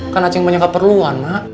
kan aceh punya keperluan ma